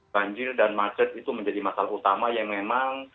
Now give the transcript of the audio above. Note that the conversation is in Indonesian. banjir dan macet itu menjadi masalah utama yang memang